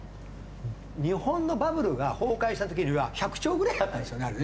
日本のバブルが崩壊した時には１００兆ぐらいだったんですよねあれね。